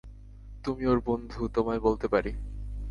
তুমি ওর বন্ধু, তোমায় বলতে পারি।